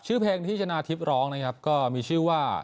ชื่อเพลงที่ชนะทิพย์ร้องนะครับก็มีชื่อว่า